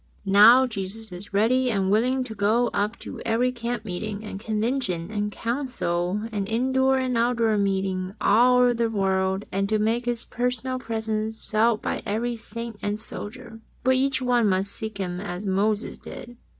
'^ Now Jesus is ready and willing to go up to every camp meeting and convention and council and indoor and out door meeting all over the world, and to make His personal presence felt by every saint and Soldier, but each one musk seek Him as Moses did.